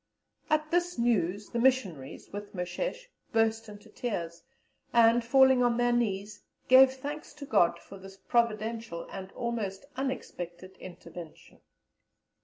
At this news the missionaries, with Moshesh, burst into tears, and falling on their knees, gave thanks to God for this providential and almost unexpected intervention."